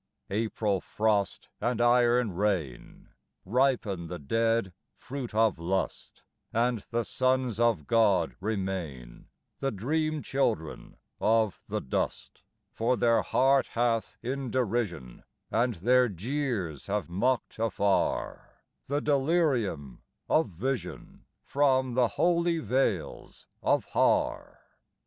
April frost and iron rain Ripen the dead fruit of lust, And the sons of God remain The dream children of the dust, For their heart hath in derision, And their jeers have mocked afar, The delirium of vision From the holy vales of Har.